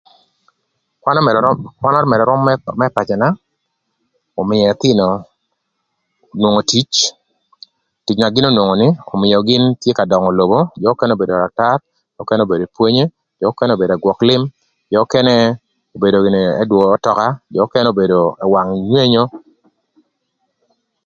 Kwan ömëdö rwöm më pacöna ömïö ëthïnö onwongo tic, tic na gïn onwongo nï ömïö gïn tye ka döngö lobo, jö obedo daktar, nökënë obedo epwonye, jö ökënë obedo ëgwök lïm, jö ökenë obedo gïnɨ ëdwüö ötöka, jö ökënë obedo gïnï ëwang nywenyo,